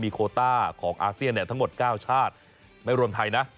โคต้าของอาเซียนทั้งหมด๙ชาติไม่รวมไทยนะ